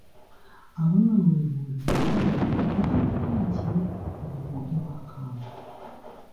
Awo nno we weebuuliza nti butamanya ki obwo obwogerwako awo?